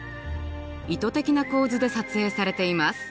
意図的な構図で撮影されています。